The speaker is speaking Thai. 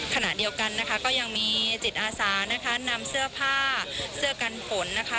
ขณะเดียวกันนะคะก็ยังมีจิตอาสานะคะนำเสื้อผ้าเสื้อกันฝนนะคะ